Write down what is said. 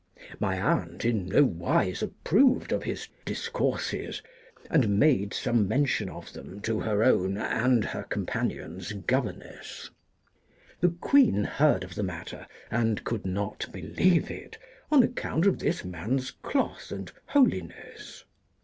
My aunt APPENDIX. 219 in no wise approved of his discourses, and made some mention of them to her own and her companions' governess. The Queen heard of the matter and could not believe it, on account of this man's cloth and holiness.